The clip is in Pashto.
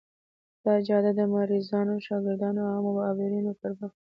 دا جاده د مریضانو، شاګردانو او عامو عابرینو پر مخ بنده وه.